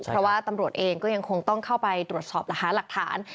เพราะว่าตำรวจเองก็ยังคงต้องเข้าไปตรวจสอบและหาหลักฐาน